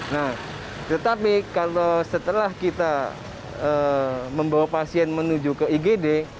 nah tetapi kalau setelah kita membawa pasien menuju ke igd